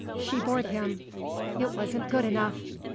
She bored him. It wasn't good enough.